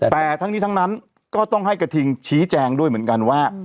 แต่ทั้งนี้ทั้งนั้นก็ต้องให้กระทิงชี้แจงด้วยเหมือนกันว่า